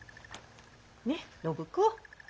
ねっ暢子。